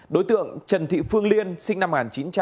đối tượng trần thị phương liên sinh năm một nghìn chín trăm bốn mươi bảy